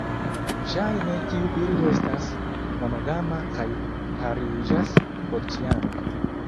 Ŝajne tiu birdo estas monogama kaj pariĝas porĉiame.